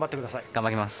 頑張ります。